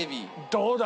どうだ！